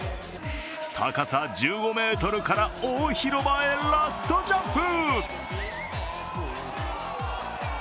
高さ１５ｍから大広場へラストジャンプ。